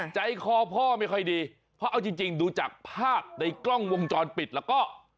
ใจคอพ่อไม่ค่อยดีเพราะเอาจริงดูจากภาพในกล้องวงจรปิดแล้วก็